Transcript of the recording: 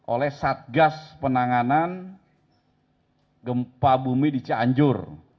oleh satgas penanganan gempa bumi di cianjur